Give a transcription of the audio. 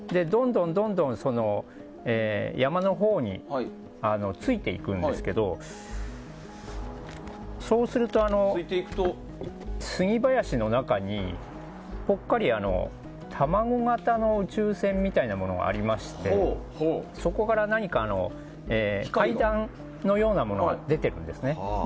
どんどん山のほうについていくんですけどそうするとスギ林の中にぽっかり卵型の宇宙船みたいなものがありましてそこから何か階段のようなものが出てるんですね。